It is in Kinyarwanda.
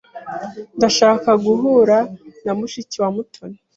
Ndashaka guhura na mushiki wa Mutoni.